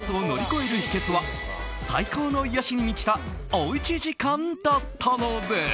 超多忙な俳優生活を乗り越える秘訣は最高の癒やしに満ちたおうち時間だったのです。